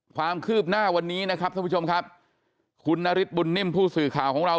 ความคืบหน้าวันนี้นะครับท่านผู้ชมครับคุณนฤทธบุญนิ่มผู้สื่อข่าวของเรา